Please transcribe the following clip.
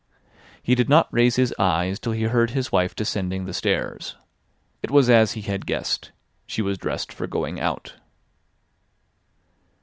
He did not raise his eyes till he heard his wife descending the stairs. It was as he had guessed. She was dressed for going out.